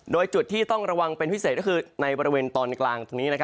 โดยจุดที่ต้องระวังเป็นพิเศษก็คือในบริเวณตอนกลางตรงนี้